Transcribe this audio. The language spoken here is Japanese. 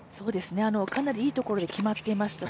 かなりいいところで決まっていました。